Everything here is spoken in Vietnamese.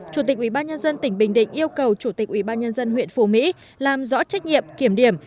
chủ tịch ủy ban nhân dân tỉnh bình định yêu cầu chủ tịch ủy ban nhân dân huyện phủ mỹ làm rõ trách nhiệm kiểm điểm